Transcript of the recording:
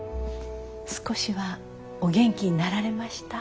少しはお元気になられました？